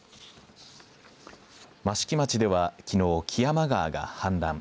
益城町ではきのう、木山川が氾濫。